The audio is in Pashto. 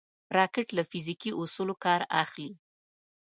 راکټ له فزیکي اصولو کار اخلي